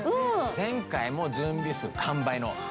前回も準備数完売。